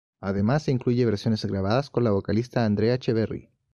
Además, incluye versiones grabadas con la vocalista Andrea Echeverri.